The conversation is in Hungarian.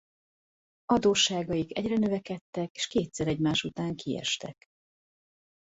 Adósságaik egyre növekedtek és kétszer egymás után kiestek.